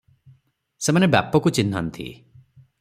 ସେମାନେ ବାପକୁ ଚିହ୍ନନ୍ତି ।